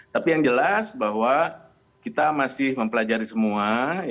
tapi yang jelas bahwa kita masih mempelajari semua